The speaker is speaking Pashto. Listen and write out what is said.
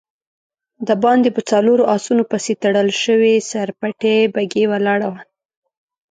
د باندی په څلورو آسونو پسې تړل شوې سر پټې بګۍ ولاړه وه.